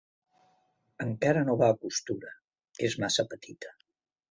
Encara no va a costura: és massa petita.